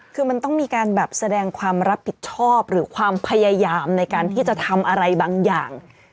คือมันต้องมีการแบบแสดงความรับผิดชอบหรือความพยายามในการที่จะทำอะไรบางอย่าง